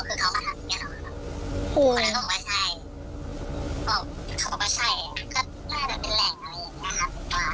เพราะว่าส่วนลูกเป็นส่วนที่แบบคนมันเยอะมาก